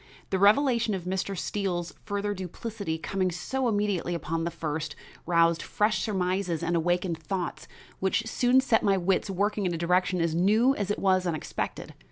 The revelation of Mr. Steele's further duplicity, coming so immediately upon the first, roused fresh surmises and awakened thoughts which soon set my wits working in a direction as new as it was unexpected.